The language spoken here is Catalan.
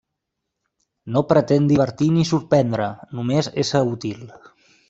No pretén divertir ni sorprendre, només ésser útil.